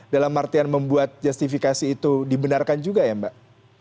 dalam artian membuat justifikasi itu dibenarkan juga ya mbak